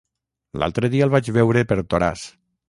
L'altre dia el vaig veure per Toràs.